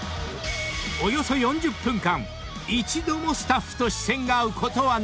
［およそ４０分間一度もスタッフと］